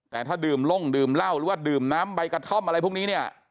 แต่ถ้าดื่มลงดื่มเหล้าหรือว่าดื่มน้ำใบกระท่อมอะไรพวกนี้เนี่ย